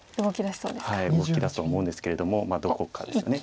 動きだすと思うんですけれどもどこかです。